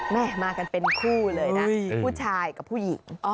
มากันเป็นคู่เลยนะผู้ชายกับผู้หญิง